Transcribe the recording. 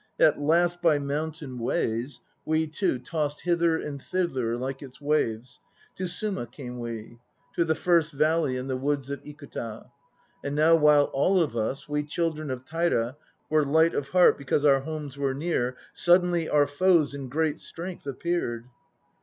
At last by mountain ways We too tossed hither and thither like its waves To Suma came we, To the First Valley and the woods of Ikuta. And now while all of us, We children of Taira, were light of heart Because our homes were near, Suddenly our foes in great strength appeared.